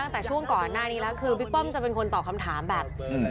ตั้งแต่ช่วงก่อนหน้านี้แล้วคือบิ๊กป้อมจะเป็นคนตอบคำถามแบบ